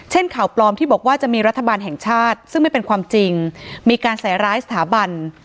ข่าวปลอมที่บอกว่าจะมีรัฐบาลแห่งชาติซึ่งไม่เป็นความจริงมีการใส่ร้ายสถาบัน